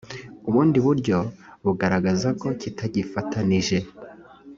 ubundi buryo bugaragaza ko kitagifatanije